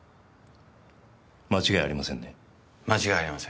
間違いありません。